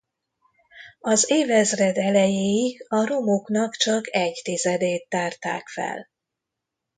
Az évezred elejéig a romoknak csak egytizedét tárták fel.